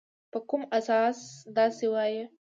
په کوم اساس داسي وایې ؟